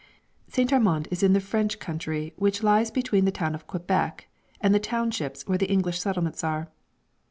St. Armand is in the French country which lies between the town of Quebec and the townships where the English settlements are.